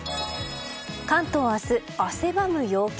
関東は明日、汗ばむ陽気。